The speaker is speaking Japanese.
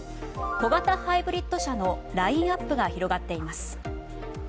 小型ハイブリッド車のラインアップが広がっています。